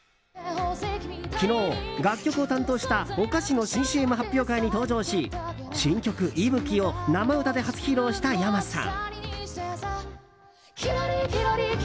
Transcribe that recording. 昨日、楽曲を担当したお菓子の新ＣＭ発表会に登場し新曲「いぶき」を生歌で初披露したｙａｍａさん。